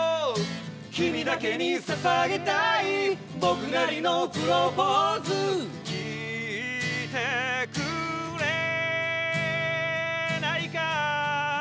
君だけに捧げたい僕なりのプロポーズ聞いてくれないか